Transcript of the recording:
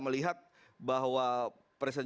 melihat bahwa presiden